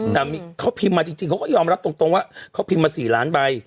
แต่เขาพิมพ์มาจริงเขาก็ยอมรับตรงว่าเขาพิมพ์มา๔ล้านใบ